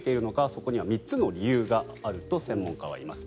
そこには３つの理由があると専門家はいいます。